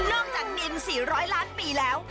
นอกจากดินสี่ร้อยล้านปีแล้ว